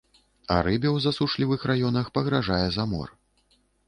А рыбе ў засушлівых раёнах пагражае замор.